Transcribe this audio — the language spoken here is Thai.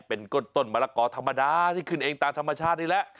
เป็นต้นมะละกอธรรมดาที่ขึ้นเองตามธรรมชาตินี่แหละ